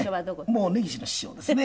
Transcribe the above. もう根岸の師匠ですね。